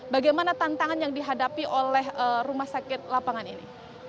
bagaimana tantangan yang dihadapi oleh rumah sakit lapangan ini